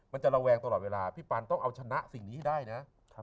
ระแวงตลอดเวลาพี่ปันต้องเอาชนะสิ่งนี้ให้ได้นะ